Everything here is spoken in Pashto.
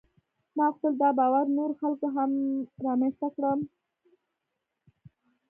ما غوښتل دا باور نورو خلکو کې هم رامنځته کړم.